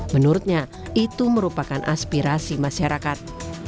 menurutnya itu merupakan aspirasi masyarakat